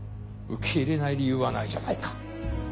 受け入れない理由はないじゃないか。